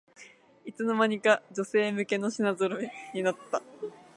いつの間にか女性向けの品ぞろえになった